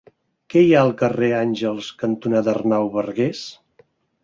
Què hi ha al carrer Àngels cantonada Arnau Bargués?